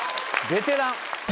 ベテラン。